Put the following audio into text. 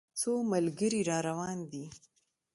څو ملګري را روان دي.